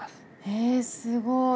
へえすごい。